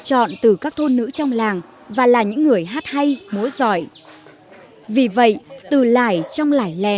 phun thu cho thỏa trường